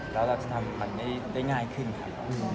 แล้วเราจะทำมันได้ง่ายขึ้นครับ